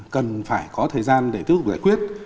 cần phải có thời gian để tiếp tục giải quyết